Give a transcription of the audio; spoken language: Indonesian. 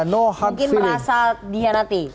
no hard feeling mungkin merasa dihanati